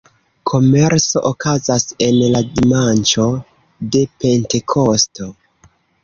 Kermeso okazas en la dimanĉo de Pentekosto.